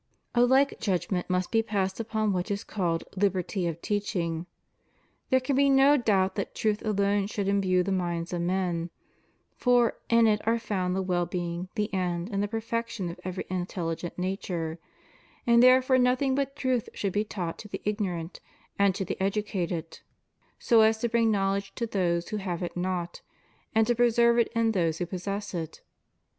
A like judgment must be passed upon what is called liberty of teaching. There can be no doubt that truth alone should imbue the minds of men; for in it are found the well being, the end, and the perfection of every intelli gent nature; and therefore nothing but truth should be taught both to the ignorant and to the educated, so HUMAN LIBERTY. 158 as to bring knowledge to those who have it not, and to preserve it in those who possess it.